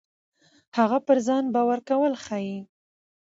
هغه پر ځان باور کول ښيي.